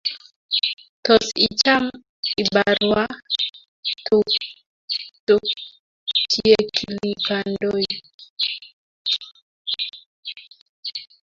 tos icham ibarwa tukchyekilipandoi